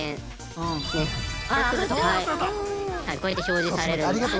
こうやって表示されるんです。